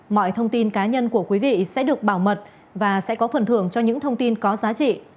mọi thông tin cá nhân của quý vị sẽ được bảo mật và sẽ có phần thưởng cho những thông tin có giá trị